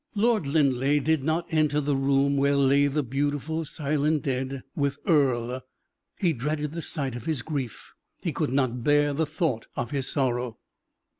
Lord Linleigh did not enter the room, where lay the beautiful, silent dead, with Earle, he dreaded the sight of his grief, he could not bear the thought of his sorrow.